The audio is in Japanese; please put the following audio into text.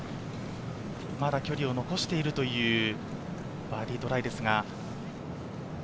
まだ距離を残しているというバーディートライです。